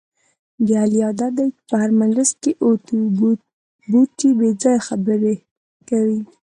د علي عادت دی، په هر مجلس کې اوتې بوتې بې ځایه خبرې کوي.